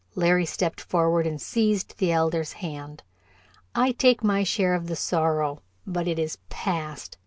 Larry stepped forward and seized the Elder's hand, "I take my share of the sorrow but it is past.